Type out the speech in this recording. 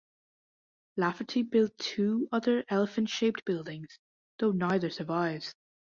Lafferty built two other elephant-shaped buildings, though neither survives.